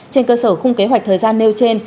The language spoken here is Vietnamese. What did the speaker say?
trên cơ sở khung kế hoạch thời gian nêu trên